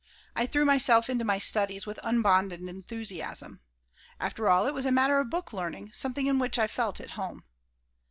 I threw myself into my new studies with unbounded enthusiasm. After all, it was a matter of book learning, something in which I felt at home.